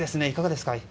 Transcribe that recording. いかがですか？